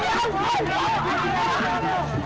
ขอบคุณครับขอบคุณครับ